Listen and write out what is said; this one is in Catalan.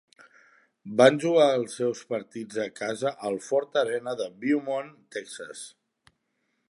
Van jugar els seus partits a casa al Ford Arena a Beaumont, Texas.